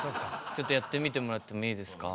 ちょっとやってみてもらってもいいですか？